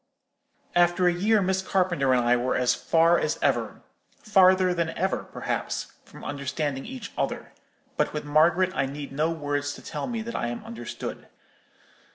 After a year Miss Carpenter and I were as far as ever—farther than ever, perhaps—from understanding each other; but with Margaret I need no words to tell me that I am understood.